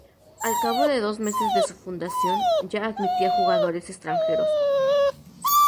Al cabo de dos meses de su fundación, ya admitía jugadores extranjeros.